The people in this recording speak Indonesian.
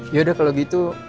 yaudah kalau gitu